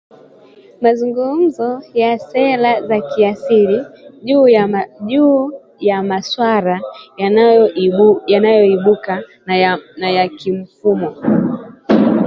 Mazungumzo ya sera za kiasilia juu ya maswala yanayoibuka na ya kimfumo.